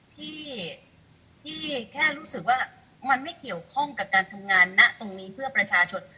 พี่แค่รู้สึกว่ามันไม่เกี่ยวข้องกับการทำงานณตรงนี้เพื่อประชาชน